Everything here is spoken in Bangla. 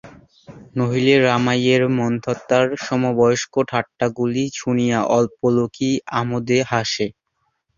নহিলে রমাইয়ের মান্ধাতার সমবয়স্ক ঠাট্টাগুলি শুনিয়া অল্প লোকই আমোদে হাসে।